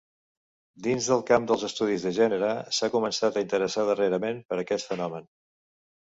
Dins del camp dels Estudis de Gènere s'ha començat a interessar darrerament per aquest fenomen.